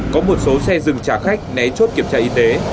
có một số xe dừng trả khách né chốt kiểm tra y tế